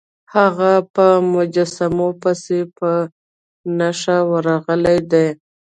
هغه په مجسمو پسې په نښه ورغلی دی.